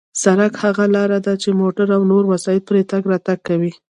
سړک هغه لار ده چې موټر او نور وسایط پرې تگ راتگ کوي.